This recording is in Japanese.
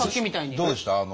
どうでした？